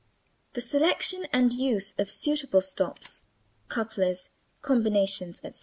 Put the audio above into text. The selection and use of suitable stops, couplers, combinations, etc.